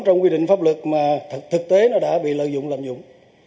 trong quy định pháp luật mà thực tế nó đã bị lợi dụng làm dụng